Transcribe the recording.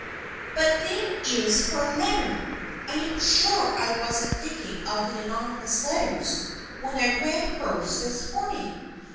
" But there is her letter ! I am sure I wasn't thinking of the anonymous letters when I read hers this morning.